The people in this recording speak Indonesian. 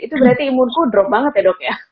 itu berarti imunku drop banget ya dok ya